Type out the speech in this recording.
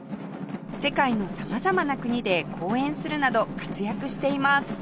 世界の様々な国で公演するなど活躍しています